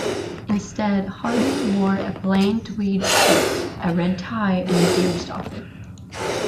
Instead, Hardie wore a plain tweed suit, a red tie and a deerstalker.